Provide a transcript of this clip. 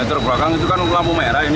latar belakang itu kan lampu merah ini